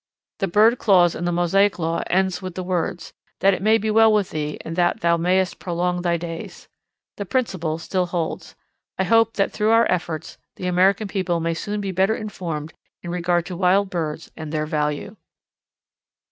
The bird clause in the Mosaic Law ends with the words: 'That it may be well with thee, and that thou mayest prolong thy days.' The principle still holds. I hope that through your efforts the American people may soon be better informed in regard to our wild birds and their value."